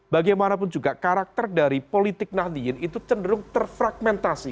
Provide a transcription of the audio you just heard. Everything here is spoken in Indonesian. bagaimanapun juga karakter dari politik nahdiyin itu cenderung terfragmentasi